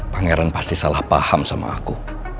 pangeran pasti salah paham sama aku